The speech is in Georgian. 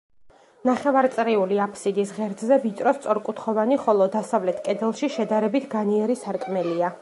ნახევარწიული აფსიდის ღერძზე ვიწრო სწორკუთხოვანი, ხოლო დასავლეთ კედელში შედარებით განიერი სარკმელია.